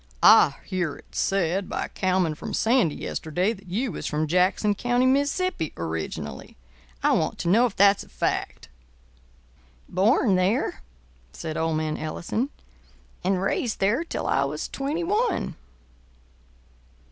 I hear it said by a cowman from Sandy yesterday that you was from Jackson County, Mississippi, originally. I want to know if that's a fact." "Born there," said old man Ellison, "and raised there till I was twenty one."